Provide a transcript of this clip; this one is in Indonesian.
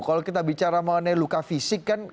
kalau kita bicara mengenai luka fisik kan